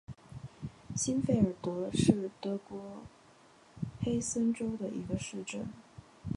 欣费尔德是德国黑森州的一个市镇。